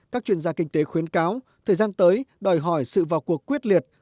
các chuyên gia kinh tế khuyến cáo thời gian tới đòi hỏi sự vào cuộc quyết liệt